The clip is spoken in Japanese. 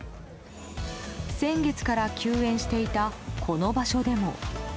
先月から休園していたこの場所でも。